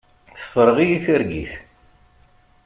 Tefreɣ-iyi targit.